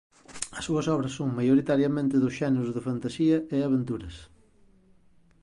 As súas obras son maioritariamente dos xéneros de fantasía e aventuras.